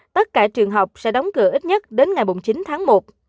tất cả trường học sẽ đóng cửa ít nhất đến ngày một mươi chín tháng một